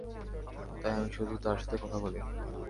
তাই আমিই শুধু তার সাথে কথা বলি।